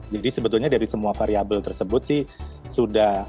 jadi sebetulnya dari semua variabel tersebut sih